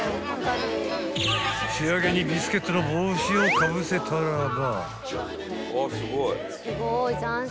［仕上げにビスケットの帽子をかぶせたらば］